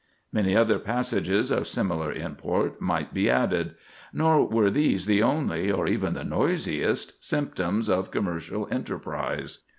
Many other passages of similar import might be added. Nor were these the only, or even the noisiest, symptoms of commercial enterprise.